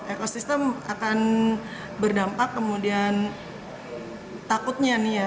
ekosistem akan berdampak kemudian takutnya nih ya